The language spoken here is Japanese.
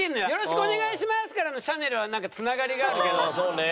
「よろしくお願いします」からのシャネルはなんかつながりがあるけど。